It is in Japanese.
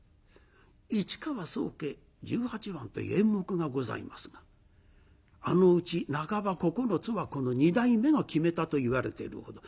市川宗家十八番という演目がございますがあのうち半ば９つはこの二代目が決めたといわれているほど。